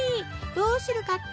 どうするかって？